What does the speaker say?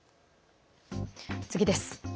次です。